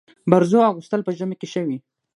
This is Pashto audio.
برزو اغوستل په ژمي کي ښه وي.